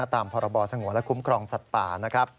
ตามพรบสงวนและคุ้มครองสัตว์ป่านะครับ